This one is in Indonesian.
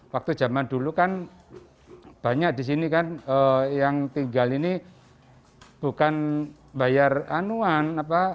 waktu zaman dulu kan banyak di sini kan yang tinggal ini bukan bayar anuan